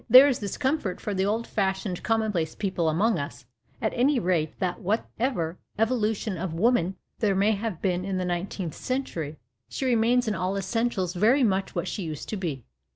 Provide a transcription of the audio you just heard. There is this comfort for the old fashioned commonplace people among us, at any rate, that whatever " evolu tion " of woman there may have been in the nine teenth century, she remains in all essentials very much what she used to be.